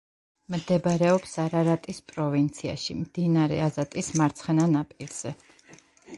მდებარეობს არარატის პროვინციაში, მდინარე აზატის მარცხენა ნაპირზე.